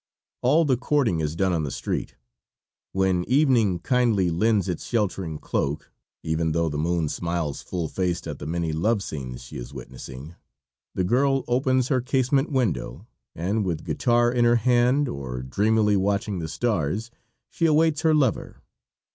All the courting is done on the street. When evening kindly lends its sheltering cloak, even though the moon smiles full faced at the many love scenes she is witnessing, the girl opens her casement window and, with guitar in her hand or dreamily watching the stars, she awaits her lover.